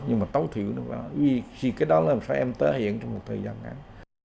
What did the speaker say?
nhưng mà tấu thiểu nó thì cái đó là sao em tới hiện trong một thời gian ngắn